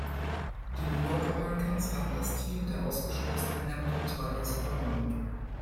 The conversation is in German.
Die New York Americans hatten das Team der ausgeschlossenen Hamilton Tigers übernommen.